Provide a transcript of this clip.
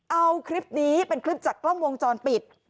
เอาคลิปนี้เป็นคลิปจากกล้องวงจรปิด